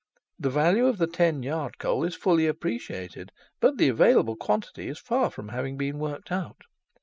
The value of the ten yard coal is fully appreciated, but the available quantity is far from having been worked out.